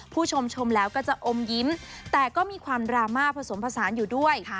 ผู้ชมชมแล้วก็จะอมยิ้มแต่ก็มีความดราม่าผสมผสานอยู่ด้วย